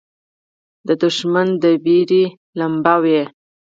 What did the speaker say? دښمن د وېرې لمبه وي